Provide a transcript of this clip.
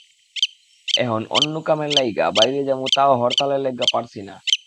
এহন অন্য কামের লাইগা বাইরে যামু তাও হরতালের লাইগা পারছি না।